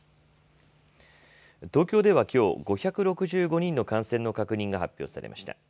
東京ではきょう、５６５人の感染の確認が発表されました。